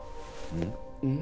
うん？